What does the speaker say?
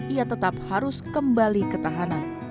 ia tetap harus kembali ketahanan